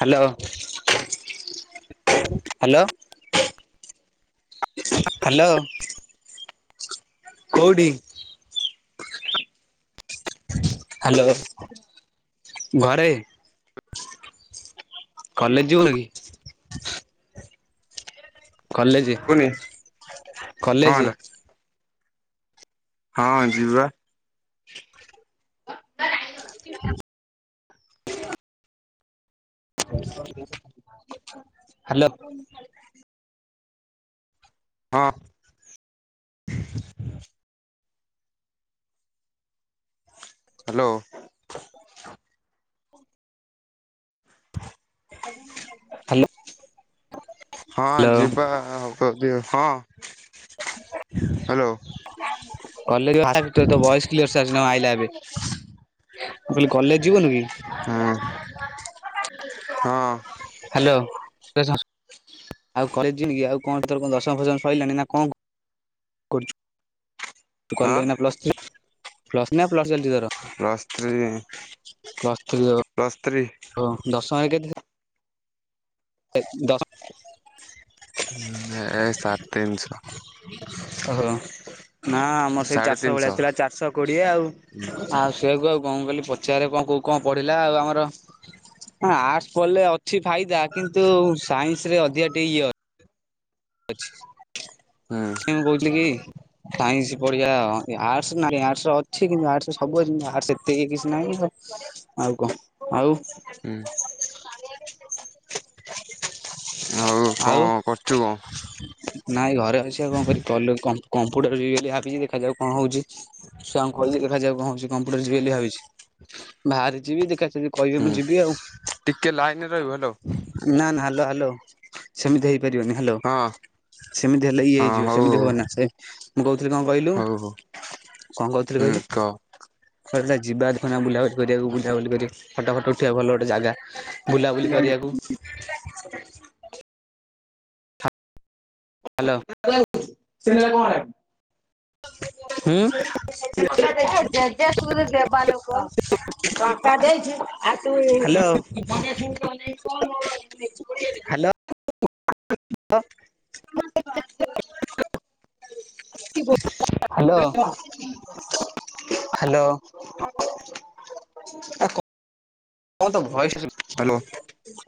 Hello. Hello hello. କୋଉଠି? Hello ଘରେ। College ଯିବୁନ କି? କଲେଜେ ଶୁଭୁନି କଣ କଲେଜେ ହେଲା ହଁ ଯିବା। ହାଲୋ। ହଁ। ହାଲୋ। ହାଲୋ। ହଁ ଯିବା ହବଯବା ଆଉ ହଁ ହାଲୋ କଲେଜ୍ ଫାଷ୍ଟୟର ତୋ ଭଏସ୍ କ୍ଲିଅର ସେ ଆସୁନି ହଁ ଆଇଲା ଏବେ। ମୁଁ କହିଲି କଲେଜ ଯିବୁନି କି? ହୁଁ ହଁ। ହାଲୋ। ଆଉ କଲେଜ୍ ଯିବୁକି ଆଉ କଣ ତୋର କଣ ଦଶମ ଫସମ ସରିଲାଣି ନା କଣ କରୁଛୁ? ହଁ କଲୁ ଏଇନା ପ୍ଲସଥ୍ରି ପ୍ଲସ୍ ନା ପ୍ଲସ୍ ଚାଲିଛି ତୋର? ପ୍ଲସଥ୍ରି ପ୍ଲସଥ୍ରି ଦଶଏକେ ଦଶ ଏ ସାଢେ ତିନିଶହ। ଓହୋ ନା ଆମର ସେଇ ସାଢ଼େ ଚାରିଶହ ଭଳିଆ ତିନିଶହ ଥିଲା ଚାରିଶହ କୋଡିଏ ଆଉ ହୁଁ ଆ ସେୁଆକୁ ଆଉ କଣ ମୁଁ କହଲି ପଚାରାରେ କଣ କଉ କଣଢିଲା ଆଉ ଆମର ଆର୍ଟସ୍ ପଢିଲେ ଅଛି ଫାଇଦା କିନ୍ତୁ ସାଇନ୍ସ ରେ ଅଧିକା ଟିକେ ଇଏ ଅଛି। ଅଛି। ହୁଁ। ମୁଁ କହୁଥିଲି କି? ସାଇନ୍ସ ପଢିବା ଆଉ ଆର୍ଟସ ନାହିଁ ଆର୍ଟସ ଅଛି କିନ୍ତୁ ଆର୍ଟସ ରେ ସବୁ ଅଛି କିନ୍ତୁ ଆ ତିକି କିଛି ନାହିଁ କି ଆଉ କ ଆଉ ଉଁ। ଆଉ ଙ୍କ କରୁଚୁ? ନାଇଁ ଘରେ ଅଛି ଆଉ କଣ କରିବି, କ କମ୍ପୁଟର ଯିବି ବୋଲି ଭାବିଛି ଦେଖାଯାଉ କଣ ହଉଛି, ସାରଙ୍କୁ କହିଛି ଦେଖାଯାଉ କଣ ହେଉଛି କମ୍ପ୍ୟୁଟର ଯିବି ବୋଲି ଭାବିଛି ବାହାରି ଯିବି ଦେଖୀ କହିବାକୁ ହୁଁ ଯିବି ଆଉ ଟିକେ ଲାଇନରେ ରହିବୁ ହ୍ୟାଲୋ ନା ନା ହ୍ୟାଲୋ ହ୍ୟାଲୋ ସେମିତି ହେଇପାରିବନି ହ୍ୟାଲୋ, ହଁ। ସେମିତି ହେଲେ ଇଏ ହେଇଯିବ ହଉ ସେମିତି ହବନା ସେ ମୁଁ କହୁଥିଲି କଣ କହିଲୁ, ହଉ ହଉ ହଉ କଣ କହୁଥିଲି ହୁଁ କହିଲୁ? କହ କୁଆଡ଼େ ଗୋଟେ ଯିବା ଦେଖ ବୁଲାବୁଲି କରିବାକୁ ବୁଲାବୁଲି କରି ଫଟୋ ଫଟ ଉଠେଇିବା ଭଲ ଗୋଟେ ଜାଗା। ବୁଲାବୁଲି କରିବାକୁ, ହ୍ୟାଲୋ। ସେ ନେଲା କଣ ହେଲା? ହୁଁ। ଜେଜେ କୁତରେ ଦେବାଲୋକ, ଟଙ୍କା ଦେଇଛୁ ଆ ତୁ ହ୍ୟାଲୋ। ହ୍ୟାଲୋ। କିିବ, ହ୍ୟାଲୋ ହ୍ୟାଲୋ। କ ତ ଭୟସ ହ୍ୟାଲୋ।